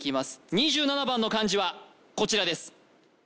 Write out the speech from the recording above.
２７番の漢字はこちらです